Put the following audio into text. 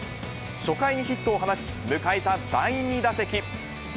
初回にヒットを放ち、迎えた第２打席。